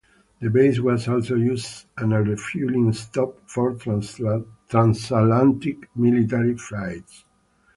The base was also used as a refueling stop for transatlantic military flights.